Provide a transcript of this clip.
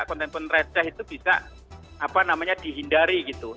konten konten redah itu bisa apa namanya dihindari gitu